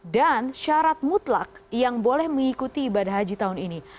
dan syarat mutlak yang boleh mengikuti ibadah haji tahun ini